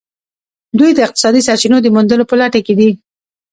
دوی د اقتصادي سرچینو د موندلو په لټه کې دي